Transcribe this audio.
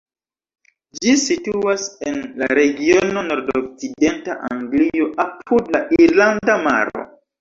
Ĝi situas en la regiono nordokcidenta Anglio, apud la Irlanda Maro.